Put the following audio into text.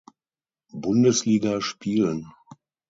Bundesliga spielen.